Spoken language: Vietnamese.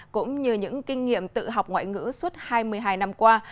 cũng như những kinh nghiệm tự học ngoại ngữ suốt hai mươi hai năm qua